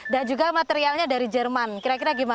dan juga materialnya dari jerman kira kira gimana